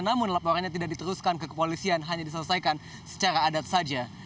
namun laporannya tidak diteruskan ke kepolisian hanya diselesaikan secara adat saja